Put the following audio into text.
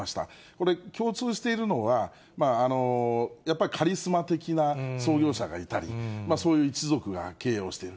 これ、共通しているのは、やっぱりカリスマ的な創業者がいたり、そういう一族が経営をしている。